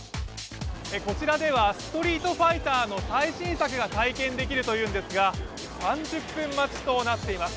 こちらでは「ストリートファイター」の最新作が体験できるというんですが３０分待ちとなっています。